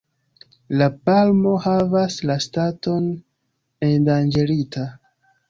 La palmo havas la staton "endanĝerita“.